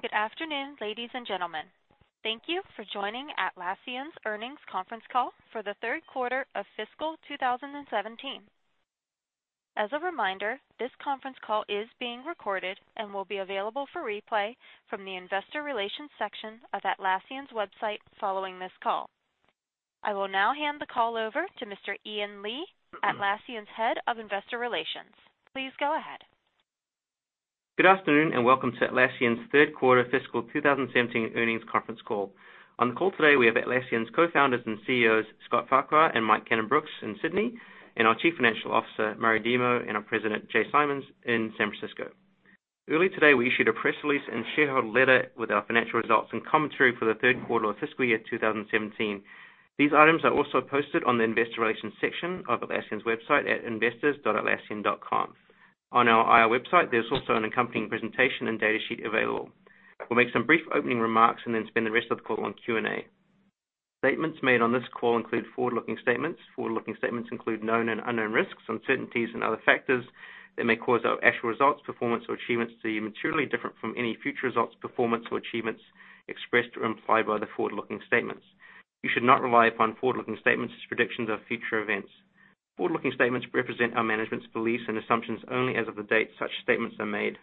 Good afternoon, ladies and gentlemen. Thank you for joining Atlassian's earnings conference call for the third quarter of fiscal 2017. As a reminder, this conference call is being recorded and will be available for replay from the investor relations section of Atlassian's website following this call. I will now hand the call over to Mr. Ian Lee, Atlassian's Head of Investor Relations. Please go ahead. Good afternoon and welcome to Atlassian's third quarter fiscal 2017 earnings conference call. On the call today, we have Atlassian's co-founders and CEOs, Scott Farquhar and Mike Cannon-Brookes in Sydney, and our Chief Financial Officer, Murray Demo, and our President, Jay Simons, in San Francisco. Early today, we issued a press release and shareholder letter with our financial results and commentary for the third quarter of fiscal year 2017. These items are also posted on the investor relations section of Atlassian's website at investors.atlassian.com. On our IR website, there's also an accompanying presentation and data sheet available. We'll make some brief opening remarks and then spend the rest of the call on Q&A. Statements made on this call include forward-looking statements. Forward-looking statements include known and unknown risks, uncertainties, and other factors that may cause our actual results, performance, or achievements to be materially different from any future results, performance, or achievements expressed or implied by the forward-looking statements. You should not rely upon forward-looking statements as predictions of future events. Forward-looking statements represent our management's beliefs and assumptions only as of the date such statements are made.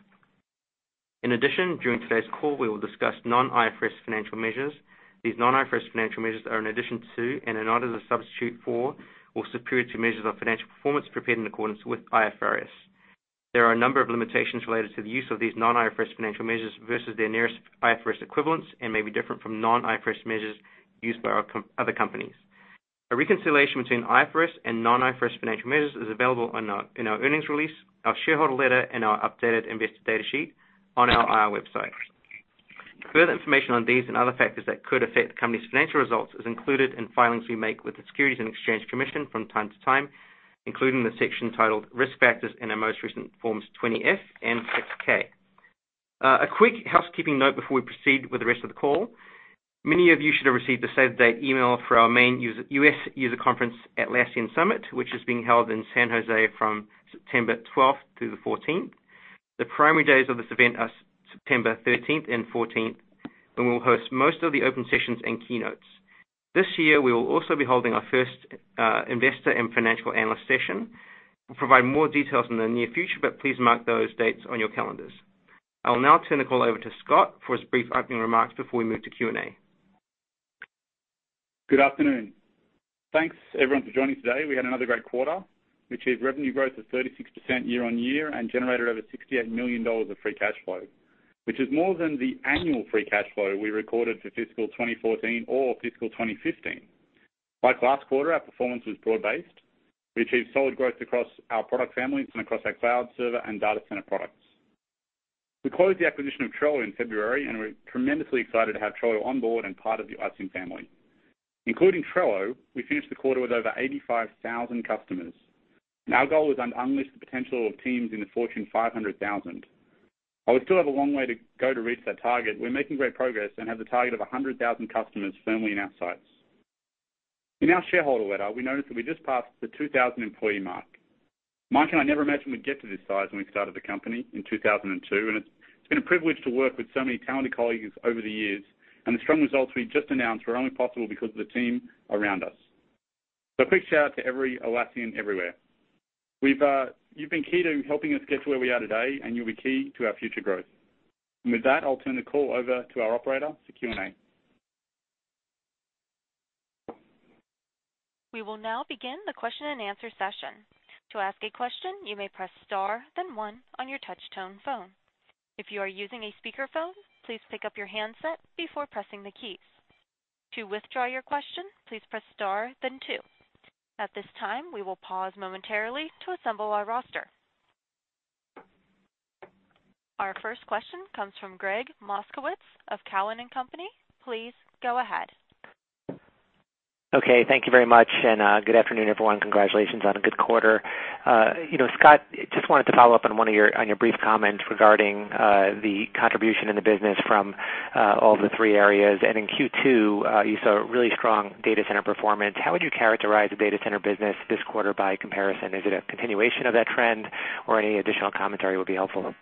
In addition, during today's call, we will discuss non-IFRS financial measures. These non-IFRS financial measures are in addition to, and are not as a substitute for, or superior to, measures of financial performance prepared in accordance with IFRS. There are a number of limitations related to the use of these non-IFRS financial measures versus their nearest IFRS equivalents and may be different from non-IFRS measures used by our other companies. A reconciliation between IFRS and non-IFRS financial measures is available in our earnings release, our shareholder letter, and our updated investor data sheet on our IR website. Further information on these and other factors that could affect the company's financial results is included in filings we make with the Securities and Exchange Commission from time to time, including the section titled Risk Factors in our most recent Forms 20-F and 10-K. A quick housekeeping note before we proceed with the rest of the call. Many of you should have received the save-the-date email for our main U.S. user conference, Atlassian Summit, which is being held in San Jose from September 12th through the 14th. The primary days of this event are September 13th and 14th, when we'll host most of the open sessions and keynotes. This year, we will also be holding our first investor and financial analyst session. We'll provide more details in the near future, but please mark those dates on your calendars. I will now turn the call over to Scott for his brief opening remarks before we move to Q&A. Good afternoon. Thanks, everyone, for joining today. We had another great quarter. We achieved revenue growth of 36% year-on-year and generated over $68 million of free cash flow, which is more than the annual free cash flow we recorded for fiscal 2014 or fiscal 2015. Like last quarter, our performance was broad-based. We achieved solid growth across our product families and across our cloud server and Data Center products. We closed the acquisition of Trello in February, and we're tremendously excited to have Trello on board and part of the Atlassian family. Including Trello, we finished the quarter with over 85,000 customers. Our goal is to unleash the potential of teams in the Fortune 500,000. While we still have a long way to go to reach that target, we're making great progress and have the target of 100,000 customers firmly in our sights. In our shareholder letter, we noticed that we just passed the 2,000-employee mark. Mike and I never imagined we'd get to this size when we started the company in 2002. It's been a privilege to work with so many talented colleagues over the years. The strong results we've just announced were only possible because of the team around us. A quick shout-out to every Atlassian everywhere. You've been key to helping us get to where we are today. You'll be key to our future growth. With that, I'll turn the call over to our operator for Q&A. We will now begin the question and answer session. To ask a question, you may press star then one on your touch tone phone. If you are using a speakerphone, please pick up your handset before pressing the keys. To withdraw your question, please press star then two. At this time, we will pause momentarily to assemble our roster. Our first question comes from Gregg Moskowitz of Cowen and Company. Please go ahead. Thank you very much and good afternoon, everyone. Congratulations on a good quarter. Scott, just wanted to follow up on your brief comment regarding the contribution in the business from all the three areas. In Q2, you saw really strong Data Center performance. How would you characterize the Data Center business this quarter by comparison? Is it a continuation of that trend? Any additional commentary would be helpful.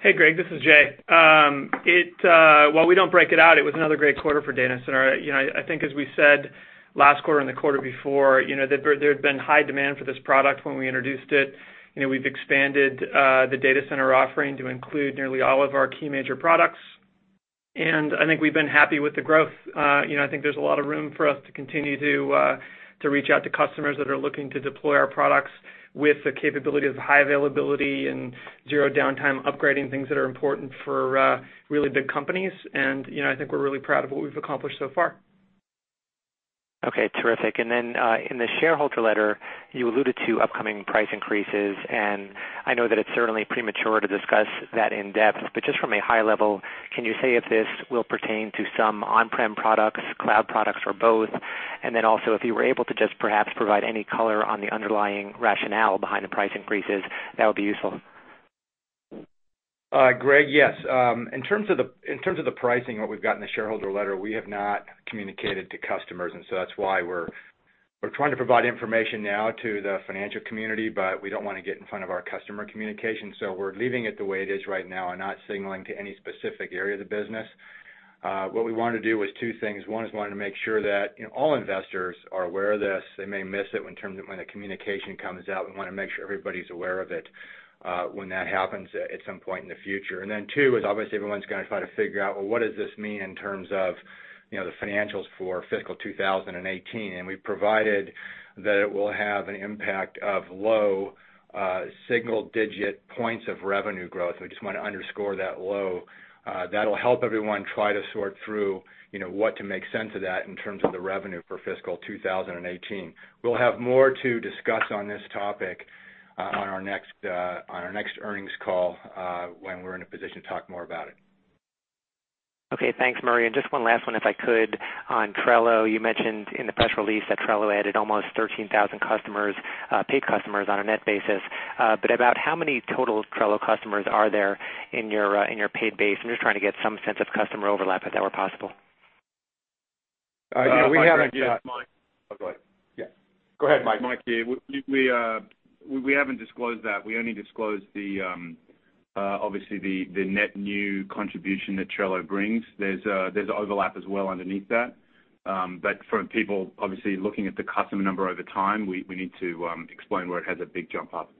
Hey, Greg, this is Jay. While we don't break it out, it was another great quarter for Data Center. I think as we said last quarter and the quarter before, there had been high demand for this product when we introduced it. We've expanded the Data Center offering to include nearly all of our key major products, and I think we've been happy with the growth. I think there's a lot of room for us to continue to reach out to customers that are looking to deploy our products with the capability of high availability and zero downtime, upgrading things that are important for really big companies. I think we're really proud of what we've accomplished so far. Terrific. In the shareholder letter, you alluded to upcoming price increases, and I know that it's certainly premature to discuss that in depth, but just from a high level, can you say if this will pertain to some on-prem products, cloud products, or both? Also, if you were able to just perhaps provide any color on the underlying rationale behind the price increases, that would be useful. Greg, yes. In terms of the pricing, what we've got in the shareholder letter, we have not communicated to customers, and so that's why we're We're trying to provide information now to the financial community, we don't want to get in front of our customer communication. We're leaving it the way it is right now and not signaling to any specific area of the business. What we want to do is two things. One is we want to make sure that all investors are aware of this. They may miss it when the communication comes out. We want to make sure everybody's aware of it when that happens at some point in the future. Two is, obviously, everyone's going to try to figure out, well, what does this mean in terms of the financials for fiscal 2018? We provided that it will have an impact of low single-digit points of revenue growth. We just want to underscore that low. That'll help everyone try to sort through what to make sense of that in terms of the revenue for fiscal 2018. We'll have more to discuss on this topic on our next earnings call when we're in a position to talk more about it. Okay. Thanks, Murray. Just one last one, if I could, on Trello. You mentioned in the press release that Trello added almost 13,000 paid customers on a net basis. About how many total Trello customers are there in your paid base? I'm just trying to get some sense of customer overlap, if that were possible. Yeah, we haven't- Mike here. Yeah. Go ahead, Mike. Mike here. We haven't disclosed that. We only disclosed, obviously, the net new contribution that Trello brings. There's overlap as well underneath that. For people, obviously, looking at the customer number over time, we need to explain where it has a big jump up.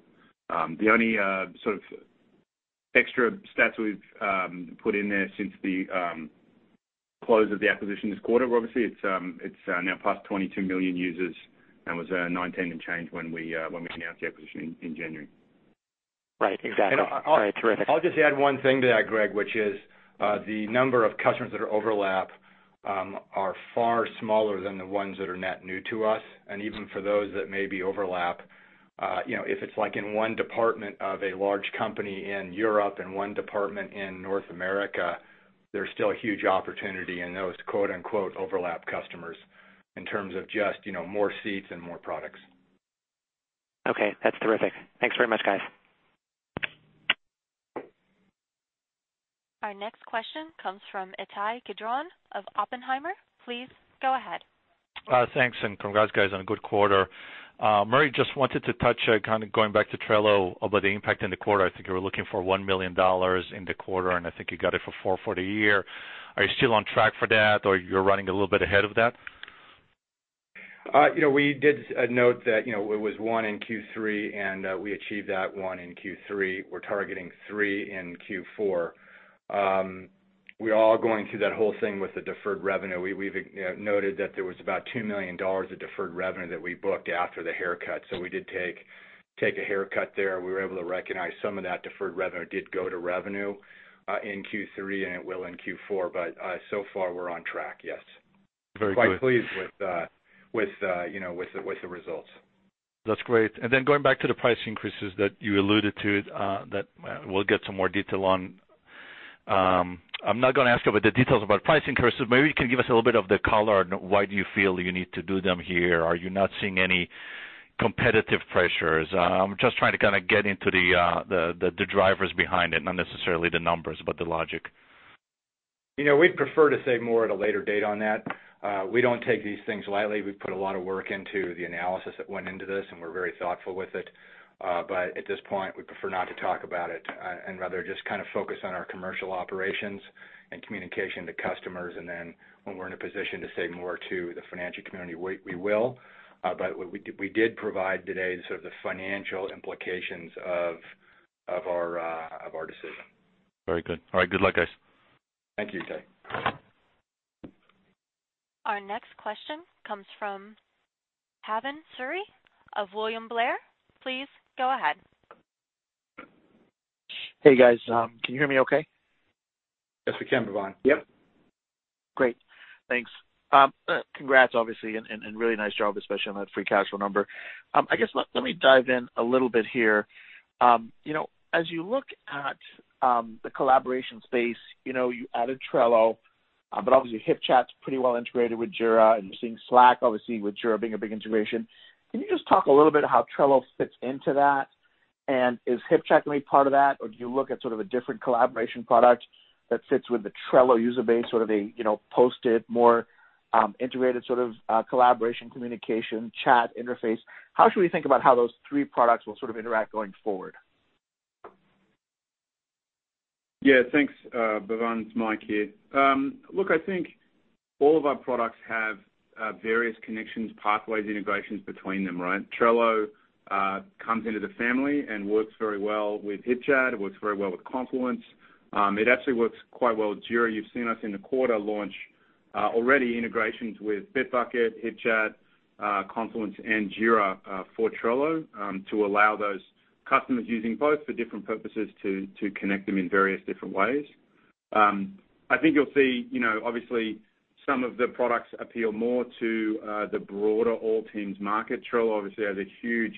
The only sort of extra stats we've put in there since the close of the acquisition this quarter, obviously, it's now past 22 million users and was 19 and change when we announced the acquisition in January. Right. Exactly. All right. Terrific. I'll just add one thing to that, Gregg, which is the number of customers that are overlap are far smaller than the ones that are net new to us. Even for those that may be overlap, if it's like in one department of a large company in Europe and one department in North America, there's still a huge opportunity in those quote unquote overlap customers in terms of just more seats and more products. Okay. That's terrific. Thanks very much, guys. Our next question comes from Ittai Kidron of Oppenheimer. Please go ahead. Thanks. Congrats, guys, on a good quarter. Murray, just wanted to touch, kind of going back to Trello about the impact in the quarter. I think you were looking for $1 million in the quarter, and I think you got it for $4 for the year. Are you still on track for that, or you're running a little bit ahead of that? We did note that it was one in Q3, and we achieved that one in Q3. We're targeting three in Q4. We are going through that whole thing with the deferred revenue. We've noted that there was about $2 million of deferred revenue that we booked after the haircut. We did take a haircut there. We were able to recognize some of that deferred revenue did go to revenue in Q3, and it will in Q4. So far, we're on track, yes. Very good. Quite pleased with the results. That's great. Then going back to the price increases that you alluded to that we'll get some more detail on. I'm not going to ask you about the details about price increases. Maybe you can give us a little bit of the color on why do you feel you need to do them here. Are you not seeing any competitive pressures? I'm just trying to kind of get into the drivers behind it. Not necessarily the numbers, but the logic. We'd prefer to say more at a later date on that. We don't take these things lightly. We put a lot of work into the analysis that went into this, and we're very thoughtful with it. At this point, we prefer not to talk about it and rather just kind of focus on our commercial operations and communication to customers. When we're in a position to say more to the financial community, we will. We did provide today sort of the financial implications of our decision. Very good. All right. Good luck, guys. Thank you, Ittai. Our next question comes from Bhavan Suri of William Blair. Please go ahead. Hey, guys. Can you hear me okay? Yes, we can, Bhavan. Yep. Great. Thanks. Congrats, obviously, and really nice job, especially on that free cash flow number. I guess, let me dive in a little bit here. As you look at the collaboration space, you added Trello, but obviously Hipchat's pretty well integrated with Jira, and you're seeing Slack, obviously, with Jira being a big integration. Can you just talk a little bit how Trello fits into that? Is Hipchat going to be part of that, or do you look at sort of a different collaboration product that fits with the Trello user base, sort of a posted, more integrated sort of collaboration, communication, chat interface? How should we think about how those three products will sort of interact going forward? Yeah. Thanks, Bhavan. It's Mike here. Look, I think all of our products have various connections, pathways, integrations between them, right? Trello comes into the family and works very well with Hipchat. It works very well with Confluence. It actually works quite well with Jira. You've seen us in the quarter launch already integrations with Bitbucket, Hipchat, Confluence, and Jira for Trello to allow those customers using both for different purposes to connect them in various different ways. I think you'll see, obviously, some of the products appeal more to the broader all teams market. Trello obviously has a huge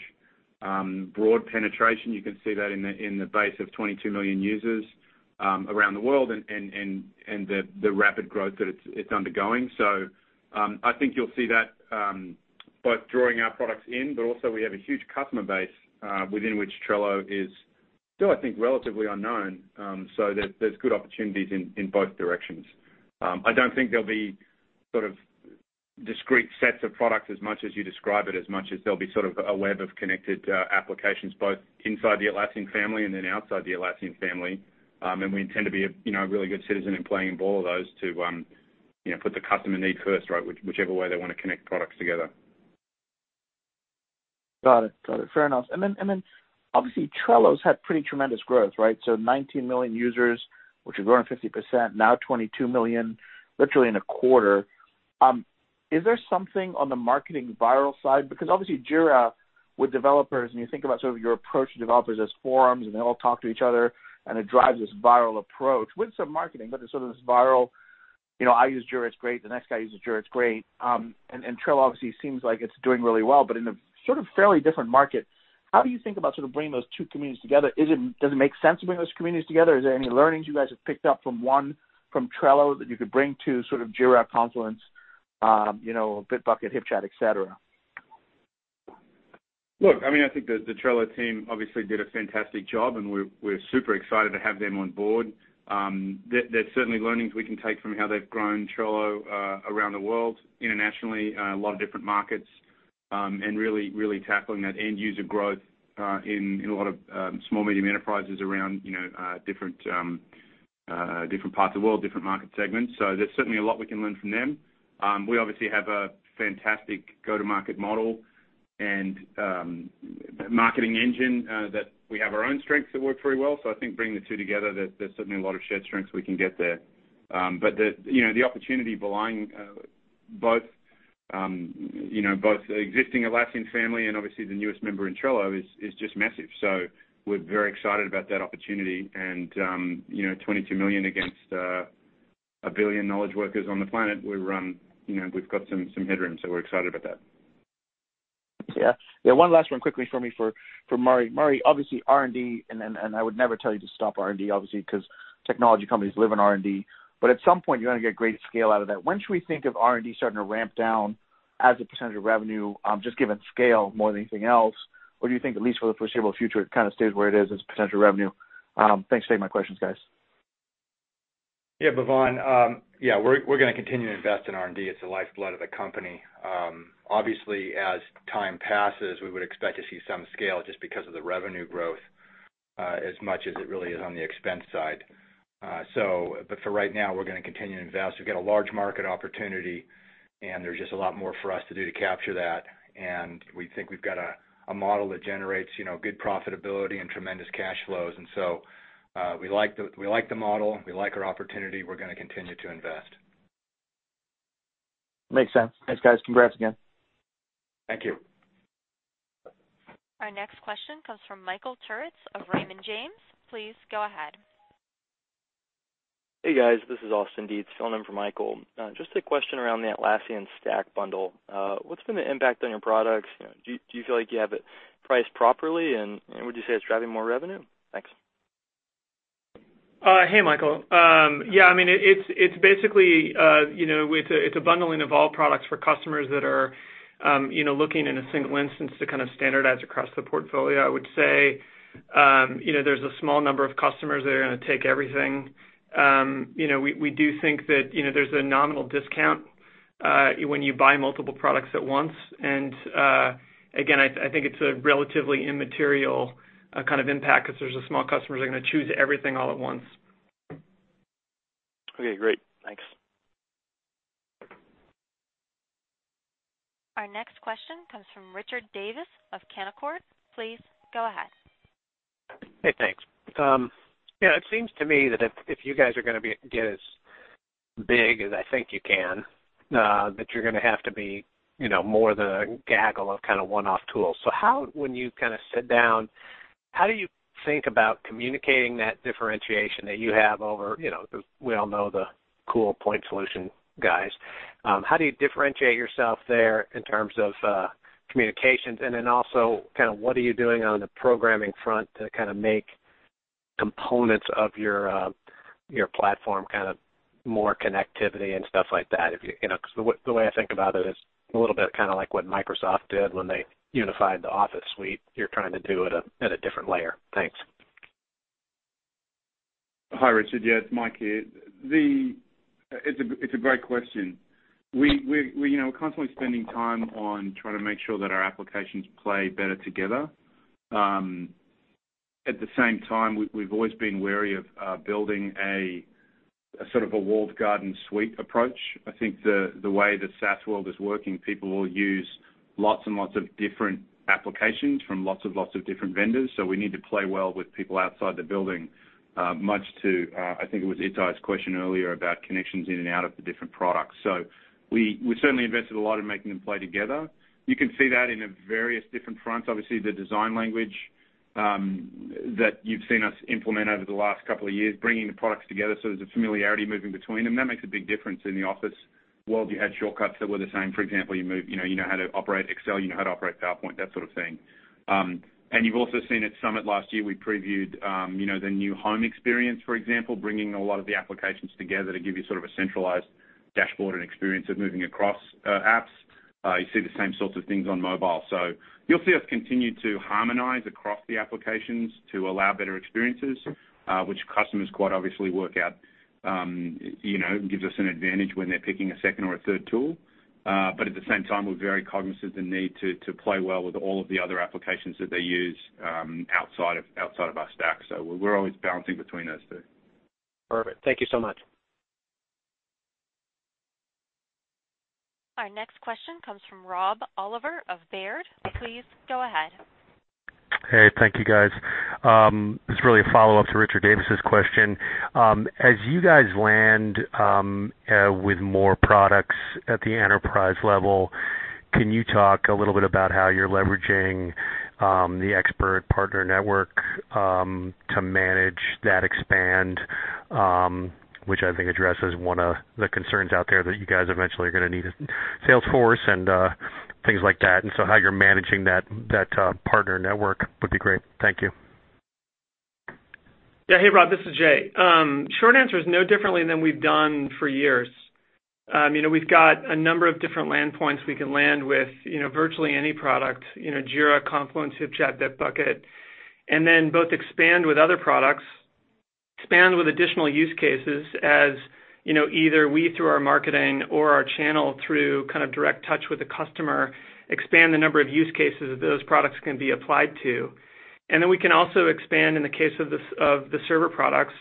broad penetration. You can see that in the base of 22 million users around the world and the rapid growth that it's undergoing. I think you'll see that both drawing our products in, but also we have a huge customer base within which Trello is still, I think, relatively unknown, there's good opportunities in both directions. I don't think there'll be discrete sets of products as much as you describe it, as much as there'll be a web of connected applications, both inside the Atlassian family and then outside the Atlassian family. We intend to be a really good citizen in playing in all of those to put the customer need first, right? Whichever way they want to connect products together. Got it. Fair enough. Then, obviously, Trello's had pretty tremendous growth, right? 19 million users, which had grown 50%, now 22 million, literally in a quarter. Is there something on the marketing viral side? Because obviously Jira, with developers, and you think about your approach to developers as forums, and they all talk to each other, and it drives this viral approach with some marketing, but there's sort of this viral, I use Jira, it's great, the next guy uses Jira, it's great. Trello obviously seems like it's doing really well, but in a sort of fairly different market. How do you think about bringing those two communities together? Does it make sense to bring those communities together? Is there any learnings you guys have picked up from one, from Trello, that you could bring to sort of Jira, Confluence, Bitbucket, Hipchat, et cetera? Look, I think the Trello team obviously did a fantastic job, we're super excited to have them on board. There's certainly learnings we can take from how they've grown Trello around the world internationally, a lot of different markets, and really tackling that end user growth, in a lot of small, medium enterprises around different parts of the world, different market segments. There's certainly a lot we can learn from them. We obviously have a fantastic go-to-market model and marketing engine, that we have our own strengths that work very well. I think bringing the two together, there's certainly a lot of shared strengths we can get there. The opportunity belonging both existing Atlassian family and obviously the newest member in Trello is just massive. We're very excited about that opportunity 22 million against 1 billion knowledge workers on the planet, we've got some headroom. We're excited about that. One last one quickly for me for Murray. Murray, obviously R&D, and I would never tell you to stop R&D, obviously, because technology companies live in R&D, but at some point, you're going to get great scale out of that. When should we think of R&D starting to ramp down as a % of revenue, just given scale more than anything else? Or do you think at least for the foreseeable future, it kind of stays where it is as a % of revenue? Thanks for taking my questions, guys. Bhavan. We're going to continue to invest in R&D. It's the lifeblood of the company. Obviously, as time passes, we would expect to see some scale just because of the revenue growth, as much as it really is on the expense side. For right now, we're going to continue to invest. We've got a large market opportunity, there's just a lot more for us to do to capture that. We think we've got a model that generates good profitability and tremendous cash flows. We like the model. We like our opportunity. We're going to continue to invest. Makes sense. Thanks, guys. Congrats again. Thank you. Our next question comes from Michael Turits of Raymond James. Please go ahead. Hey, guys, this is Austin Dietz filling in for Michael. Just a question around the Atlassian Stack bundle. What's been the impact on your products? Do you feel like you have it priced properly, and would you say it's driving more revenue? Thanks. Hey, Michael. Yeah, it's basically a bundling of all products for customers that are looking in a single instance to kind of standardize across the portfolio, I would say. There's a small number of customers that are going to take everything. We do think that there's a nominal discount when you buy multiple products at once. Again, I think it's a relatively immaterial kind of impact because there's a small customers are going to choose everything all at once. Okay, great. Thanks. Our next question comes from Richard Davis of Canaccord. Please go ahead. Hey, thanks. It seems to me that if you guys are going to get as big as I think you can, that you're going to have to be more than a gaggle of one-off tools. When you sit down, how do you think about communicating that differentiation that you have over, we all know the cool point solution guys. How do you differentiate yourself there in terms of communications? Also, what are you doing on the programming front to make components of your platform more connectivity and stuff like that? Because the way I think about it is a little bit like what Microsoft did when they unified the Office suite. You're trying to do it at a different layer. Thanks. Hi, Richard. Yeah, it's Mike here. It's a great question. We're constantly spending time on trying to make sure that our applications play better together. At the same time, we've always been wary of building a sort of a walled garden suite approach. I think the way the SaaS world is working, people will use lots and lots of different applications from lots and lots of different vendors. We need to play well with people outside the building. Much to, I think it was Ittai's question earlier about connections in and out of the different products. We certainly invested a lot in making them play together. You can see that in various different fronts. Obviously, the design language that you've seen us implement over the last couple of years, bringing the products together so there's a familiarity moving between them. That makes a big difference in the office world. You had shortcuts that were the same. For example, you know how to operate Excel, you know how to operate PowerPoint, that sort of thing. You've also seen at Summit last year, we previewed the new home experience, for example, bringing a lot of the applications together to give you sort of a centralized dashboard and experience of moving across apps. You see the same sorts of things on mobile. You'll see us continue to harmonize across the applications to allow better experiences, which customers quite obviously work out. It gives us an advantage when they're picking a second or a third tool. At the same time, we're very cognizant of the need to play well with all of the other applications that they use outside of our stack. We're always balancing between those two. Perfect. Thank you so much. Our next question comes from Rob Oliver of Baird. Please go ahead. Hey, thank you, guys. This is really a follow-up to Richard Davis's question. As you guys land with more products at the enterprise level, can you talk a little bit about how you're leveraging the expert partner network, to manage that expand, which I think addresses one of the concerns out there, that you guys eventually are going to need a sales force and things like that. How you're managing that partner network would be great. Thank you. Yeah. Hey, Rob. This is Jay. Short answer is no differently than we've done for years. We've got a number of different land points we can land with virtually any product, Jira, Confluence, Hipchat, Bitbucket. Both expand with other products, expand with additional use cases as either we, through our marketing or our channel through direct touch with the customer, expand the number of use cases that those products can be applied to. We can also expand, in the case of the server products,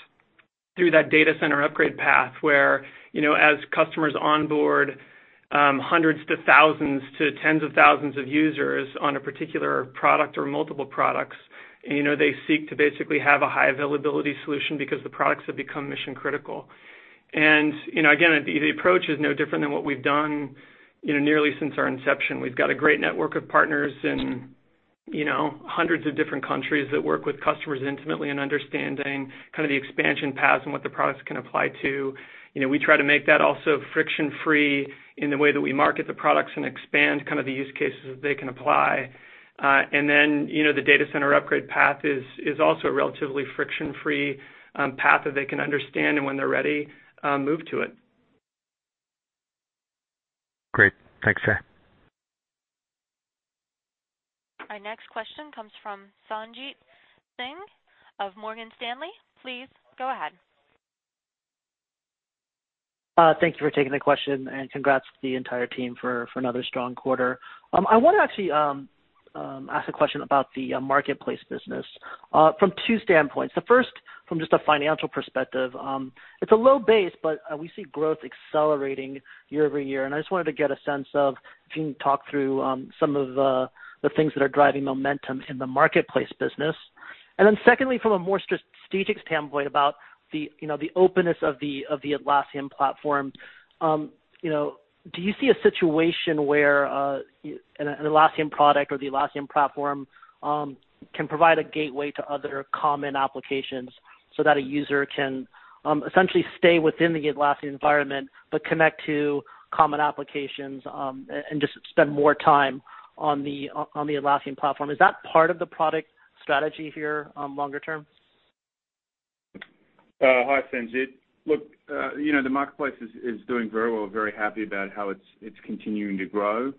through that Data Center upgrade path where as customers onboard hundreds to thousands to tens of thousands of users on a particular product or multiple products, they seek to basically have a high availability solution because the products have become mission-critical. Again, the approach is no different than what we've done nearly since our inception. We've got a great network of partners in hundreds of different countries that work with customers intimately in understanding the expansion paths and what the products can apply to. We try to make that also friction-free in the way that we market the products and expand the use cases that they can apply. The Data Center upgrade path is also a relatively friction-free path that they can understand, and when they're ready, move to it. Great. Thanks, Jay. Our next question comes from Sanjit Singh of Morgan Stanley. Please go ahead. Thank you for taking the question, and congrats to the entire team for another strong quarter. I want to actually ask a question about the marketplace business from two standpoints. The first, from just a financial perspective. It's a low base, but we see growth accelerating year-over-year, and I just wanted to get a sense of if you can talk through some of the things that are driving momentum in the marketplace business. Secondly, from a more strategic standpoint about the openness of the Atlassian platform. Do you see a situation where an Atlassian product or the Atlassian platform can provide a gateway to other common applications so that a user can essentially stay within the Atlassian environment, but connect to common applications, and just spend more time on the Atlassian platform? Is that part of the product strategy here longer term? Hi, Sanjit. Look, the marketplace is doing very well. Very happy about how it's continuing to grow.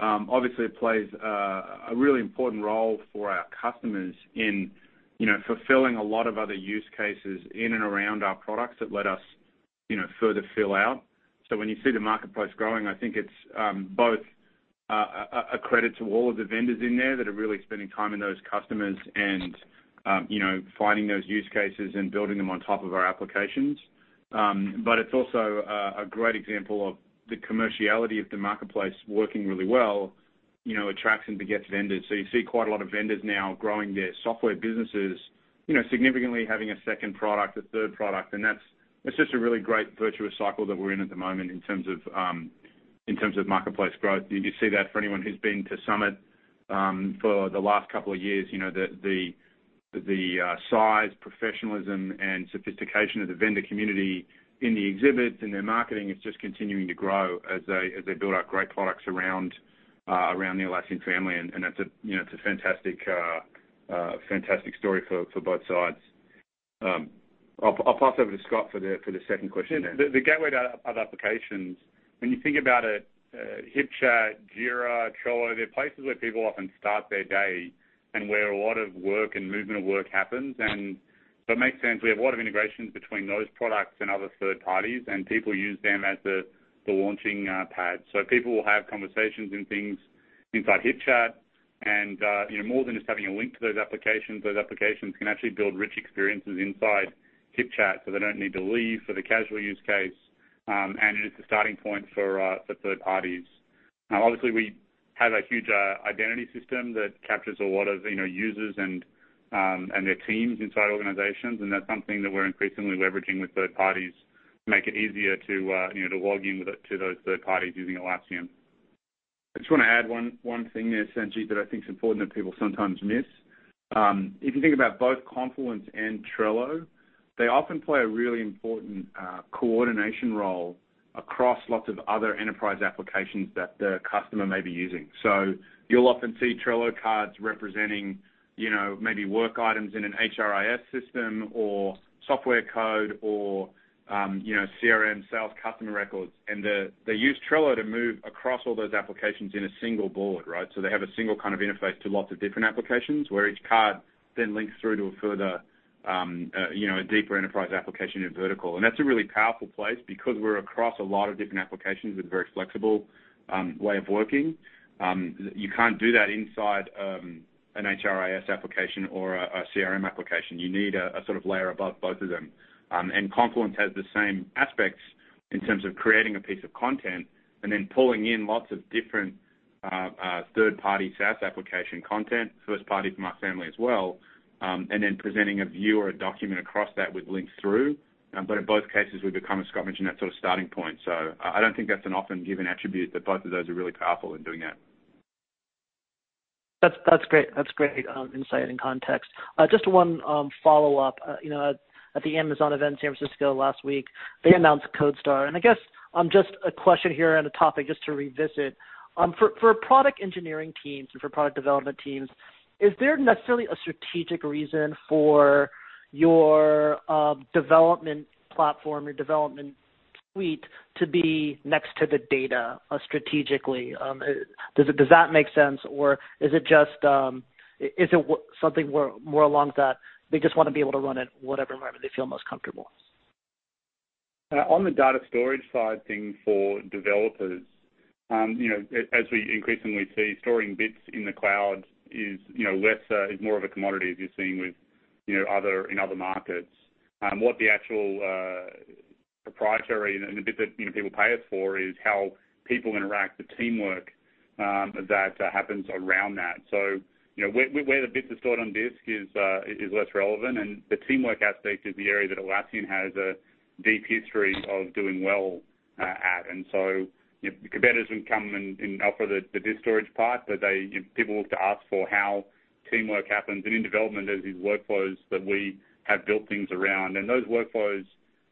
Obviously, it plays a really important role for our customers in fulfilling a lot of other use cases in and around our products that let us further fill out. When you see the marketplace growing, I think it's both a credit to all of the vendors in there that are really spending time in those customers and finding those use cases and building them on top of our applications. It's also a great example of the commerciality of the marketplace working really well attracts and begets vendors. You see quite a lot of vendors now growing their software businesses, significantly having a second product, a third product, and that's just a really great virtuous cycle that we're in at the moment in terms of marketplace growth. You see that for anyone who's been to Summit for the last couple of years, the size, professionalism, and sophistication of the vendor community in the exhibits, in their marketing is just continuing to grow as they build out great products around the Atlassian family, and that's a fantastic story for both sides. I'll pass over to Scott for the second question there. The gateway to other applications, when you think about it, Hipchat, Jira, Trello, they're places where people often start their day and where a lot of work and movement of work happens. It makes sense. We have a lot of integrations between those products and other third parties, and people use them as the launching pad. People will have conversations and things inside Hipchat and more than just having a link to those applications, those applications can actually build rich experiences inside Hipchat, so they don't need to leave for the casual use case. It is the starting point for third parties. Now, obviously, we have a huge identity system that captures a lot of users and their teams inside organizations, and that's something that we're increasingly leveraging with third parties to make it easier to log in to those third parties using Atlassian. I just want to add one thing there, Sanjit, that I think is important that people sometimes miss. If you think about both Confluence and Trello. They often play a really important coordination role across lots of other enterprise applications that the customer may be using. You'll often see Trello cards representing maybe work items in an HRIS system or software code or CRM sales customer records. They use Trello to move across all those applications in a single board. They have a single kind of interface to lots of different applications, where each card then links through to a further deeper enterprise application in vertical. That's a really powerful place because we're across a lot of different applications with a very flexible way of working. You can't do that inside an HRIS application or a CRM application. You need a sort of layer above both of them. Confluence has the same aspects in terms of creating a piece of content and then pulling in lots of different third-party SaaS application content, first party from our family as well, and then presenting a view or a document across that with links through. In both cases, we become a starting point. I don't think that's an often given attribute, but both of those are really powerful in doing that. That's great insight and context. Just one follow-up. At the Amazon event in San Francisco last week, they announced CodeStar. I guess just a question here on a topic just to revisit. For product engineering teams and for product development teams, is there necessarily a strategic reason for your development platform, your development suite to be next to the data strategically? Does that make sense, or is it something more along that they just want to be able to run it whatever environment they feel most comfortable? On the data storage side of things for developers, as we increasingly see, storing bits in the cloud is more of a commodity, as you're seeing in other markets. What the actual proprietary and the bit that people pay us for is how people interact, the teamwork that happens around that. Where the bits are stored on disk is less relevant, the teamwork aspect is the area that Atlassian has a deep history of doing well at. Competitors can come and offer the disk storage part, but people look to us for how teamwork happens. In development, there's these workflows that we have built things around, and those workflows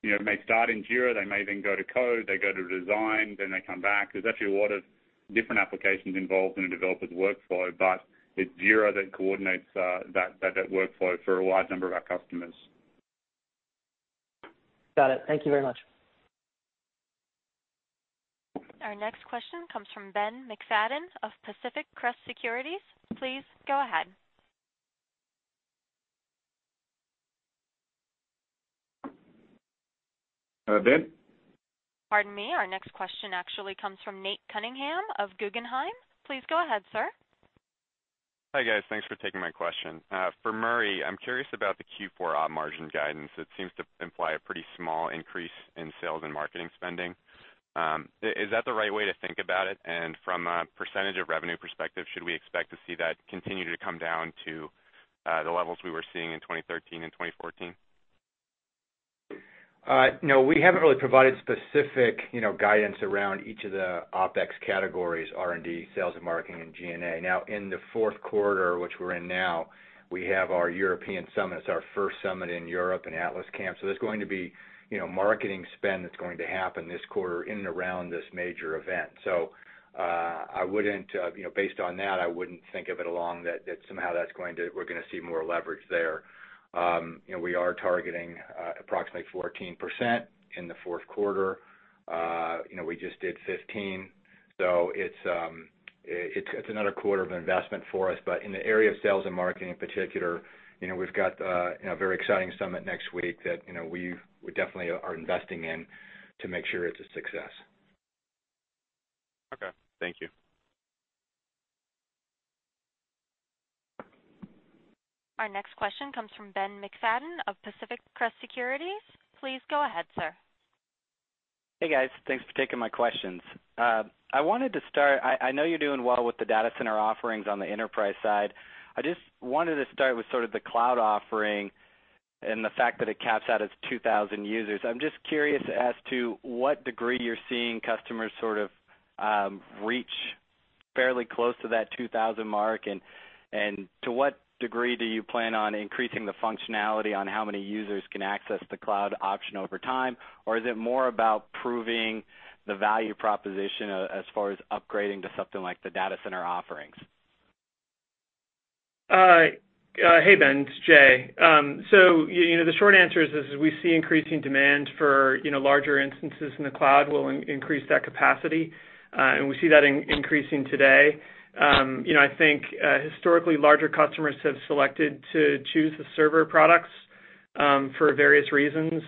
may start in Jira, they may then go to Code, they go to Design, then they come back. There's actually a lot of different applications involved in a developer's workflow, but it's Jira that coordinates that workflow for a wide number of our customers. Got it. Thank you very much. Our next question comes from Ben McFadden of Pacific Crest Securities. Please go ahead. Hello, Ben. Pardon me. Our next question actually comes from Nate Cunningham of Guggenheim. Please go ahead, sir. Hi, guys. Thanks for taking my question. For Murray, I'm curious about the Q4 op margin guidance. It seems to imply a pretty small increase in sales and marketing spending. Is that the right way to think about it? From a percentage of revenue perspective, should we expect to see that continue to come down to the levels we were seeing in 2013 and 2014? No, we haven't really provided specific guidance around each of the OpEx categories, R&D, sales and marketing, and G&A. In the fourth quarter, which we're in now, we have our European Summit. It's our first Summit in Europe, an Atlas Camp. There's going to be marketing spend that's going to happen this quarter in and around this major event. Based on that, I wouldn't think of it along that somehow we're going to see more leverage there. We are targeting approximately 14% in the fourth quarter. We just did 15%. It's another quarter of investment for us, but in the area of sales and marketing in particular, we've got a very exciting Summit next week that we definitely are investing in to make sure it's a success. Okay. Thank you. Our next question comes from Ben McFadden of Pacific Crest Securities. Please go ahead, sir. Hey, guys. Thanks for taking my questions. I know you're doing well with the Data Center offerings on the enterprise side. I just wanted to start with sort of the cloud offering and the fact that it caps out at 2,000 users. I'm just curious as to what degree you're seeing customers sort of reach fairly close to that 2,000 mark, and to what degree do you plan on increasing the functionality on how many users can access the cloud option over time? Or is it more about proving the value proposition as far as upgrading to something like the Data Center offerings? Hey, Ben. It's Jay. The short answer is, as we see increasing demand for larger instances in the cloud, we'll increase that capacity. We see that increasing today. I think historically larger customers have selected to choose the server products for various reasons.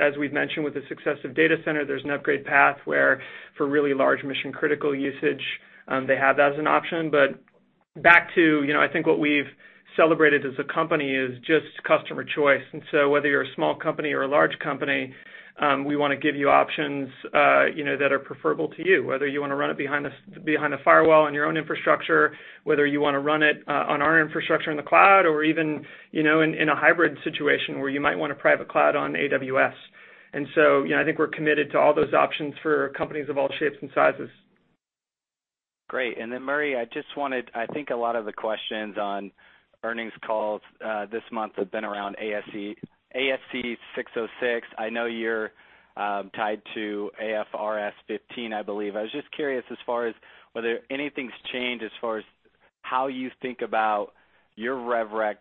As we've mentioned with the success of Data Center, there's an upgrade path where for really large mission critical usage, they have that as an option. Back to I think what we've celebrated as a company is just customer choice. Whether you're a small company or a large company, we want to give you options that are preferable to you, whether you want to run it behind a firewall on your own infrastructure, whether you want to run it on our infrastructure in the cloud, or even in a hybrid situation where you might want a private cloud on AWS. I think we're committed to all those options for companies of all shapes and sizes. Great. Murray, I think a lot of the questions on earnings calls this month have been around ASC 606. I know you're tied to IFRS 15, I believe. I was just curious as far as whether anything's changed as far as how you think about your rev rec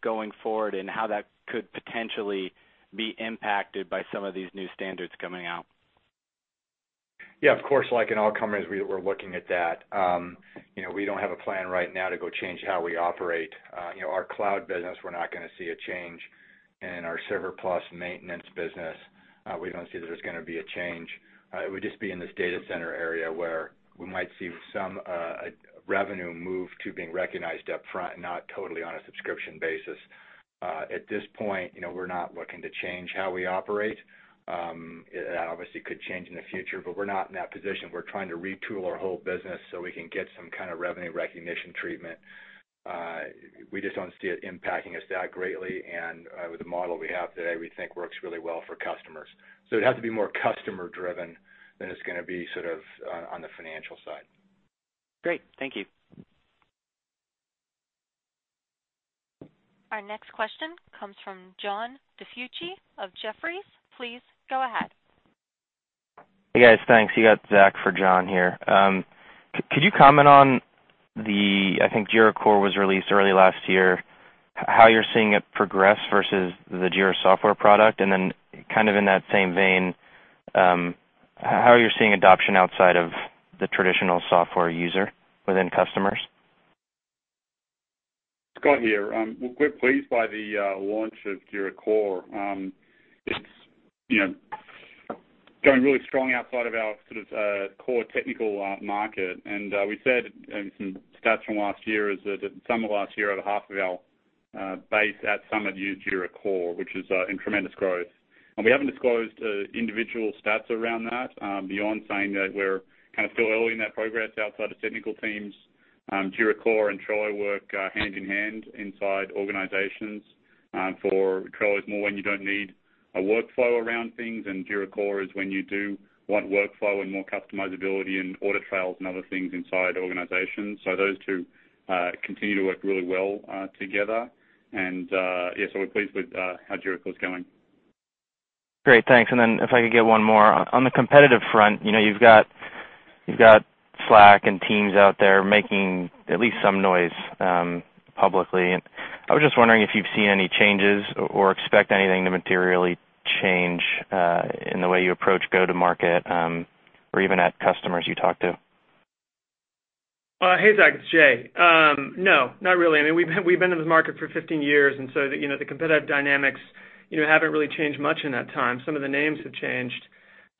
going forward, and how that could potentially be impacted by some of these new standards coming out. Of course, like in all companies, we're looking at that. We don't have a plan right now to go change how we operate. Our cloud business, we're not going to see a change. In our server plus maintenance business, we don't see that there's going to be a change. It would just be in this Data Center area where we might see some revenue move to being recognized up front, not totally on a subscription basis. At this point, we're not looking to change how we operate. That obviously could change in the future, but we're not in that position. We're trying to retool our whole business so we can get some kind of revenue recognition treatment. We just don't see it impacting us that greatly, and with the model we have today, we think works really well for customers. It would have to be more customer-driven than it's going to be on the financial side. Great. Thank you. Our next question comes from John DiFucci of Jefferies. Please go ahead. Hey, guys. Thanks. You got Zach for John here. Could you comment on the, I think Jira Core was released early last year, how you're seeing it progress versus the Jira Software product? Kind of in that same vein, how are you seeing adoption outside of the traditional software user within customers? Scott here. We're pleased by the launch of Jira Core. It's going really strong outside of our core technical market. We said some stats from last year is that at Summit last year, over half of our base at Summit have used Jira Core, which is in tremendous growth. We haven't disclosed individual stats around that beyond saying that we're still early in that progress outside of technical teams. Jira Core and Trello work hand-in-hand inside organizations for, Trello is more when you don't need a workflow around things, and Jira Core is when you do want workflow and more customizability and audit trails and other things inside organizations. Those two continue to work really well together. Yeah, we're pleased with how Jira Core's going. Great, thanks. If I could get one more. On the competitive front, you've got Slack and Teams out there making at least some noise publicly. I was just wondering if you've seen any changes or expect anything to materially change in the way you approach go-to-market or even at customers you talk to. Hey, Zach, it's Jay. No, not really. I mean, we've been in the market for 15 years. The competitive dynamics haven't really changed much in that time. Some of the names have changed.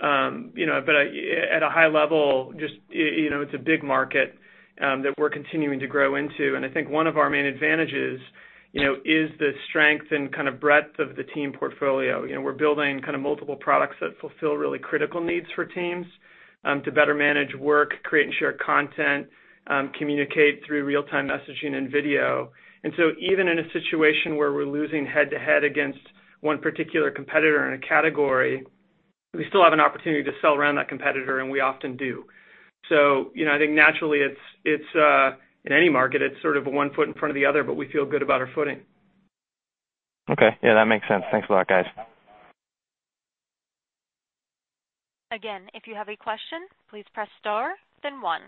At a high level, it's a big market that we're continuing to grow into. I think one of our main advantages is the strength and kind of breadth of the team portfolio. We're building multiple products that fulfill really critical needs for teams to better manage work, create and share content, communicate through real-time messaging and video. Even in a situation where we're losing head-to-head against one particular competitor in a category, we still have an opportunity to sell around that competitor, and we often do. I think naturally, in any market, it's sort of one foot in front of the other, but we feel good about our footing. Okay. Yeah, that makes sense. Thanks a lot, guys. Again, if you have a question, please press star then one.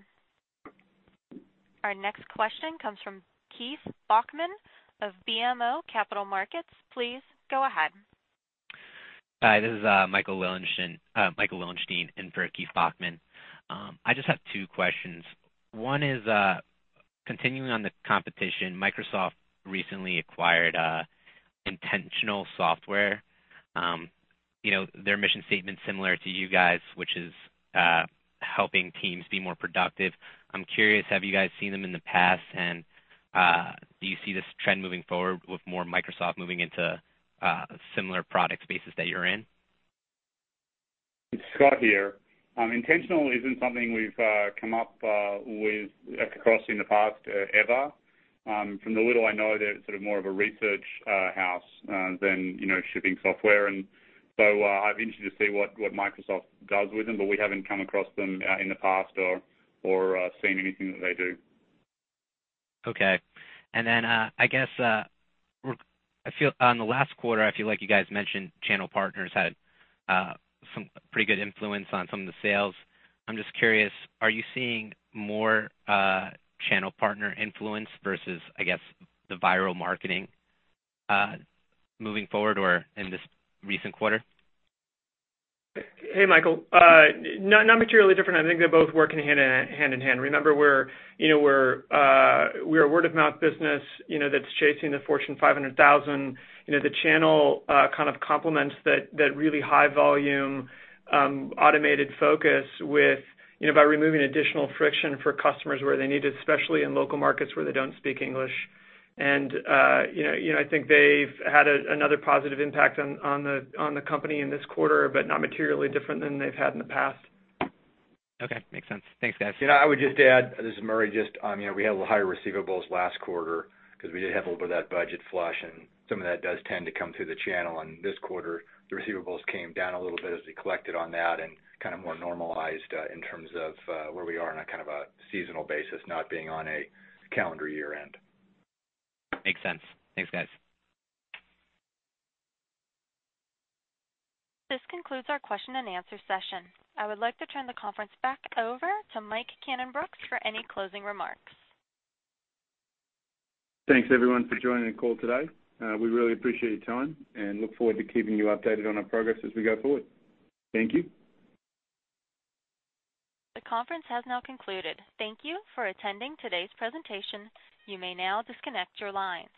Our next question comes from Keith Bachman of BMO Capital Markets. Please go ahead. Hi, this is Michael Lilinshtein in for Keith Bachman. I just have two questions. One is continuing on the competition, Microsoft recently acquired Intentional Software. Their mission statement's similar to you guys, which is helping teams be more productive. I'm curious, have you guys seen them in the past? Do you see this trend moving forward with more Microsoft moving into similar product spaces that you're in? Scott here. Intentional Software isn't something we've come across in the past, ever. From the little I know, they're sort of more of a research house than shipping software. I'm interested to see what Microsoft does with them, but we haven't come across them in the past or seen anything that they do. Okay. I guess, on the last quarter, I feel like you guys mentioned channel partners had some pretty good influence on some of the sales. I'm just curious, are you seeing more channel partner influence versus, I guess, the viral marketing moving forward or in this recent quarter? Hey, Michael. Not materially different. I think they're both working hand-in-hand. Remember we're a word-of-mouth business that's chasing the Fortune 500,000. The channel kind of complements that really high volume automated focus by removing additional friction for customers where they need it, especially in local markets where they don't speak English. I think they've had another positive impact on the company in this quarter, but not materially different than they've had in the past. Okay. Makes sense. Thanks, guys. I would just add, this is Murray, just we had a little higher receivables last quarter because we did have a little bit of that budget flush, and some of that does tend to come through the channel. This quarter, the receivables came down a little bit as we collected on that and kind of more normalized in terms of where we are on a kind of a seasonal basis, not being on a calendar year end. Makes sense. Thanks, guys. This concludes our question and answer session. I would like to turn the conference back over to Mike Cannon-Brookes for any closing remarks. Thanks, everyone, for joining the call today. We really appreciate your time and look forward to keeping you updated on our progress as we go forward. Thank you. The conference has now concluded. Thank you for attending today's presentation. You may now disconnect your lines.